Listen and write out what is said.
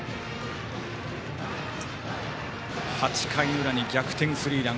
８回裏に逆転スリーラン。